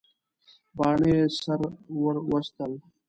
باڼه یې سره ور وستل.